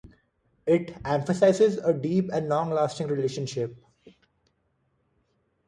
It emphasizes a deep and long-lasting relationship.